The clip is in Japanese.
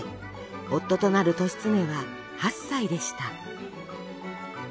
夫となる利常は８歳でした。